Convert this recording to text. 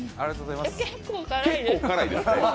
えっ、結構辛いです。